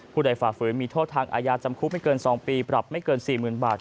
ผู้ใดฝ่าฝืนมีโทษทางอาญาจำคุกไม่เกิน๒ปีปรับไม่เกิน๔๐๐๐บาท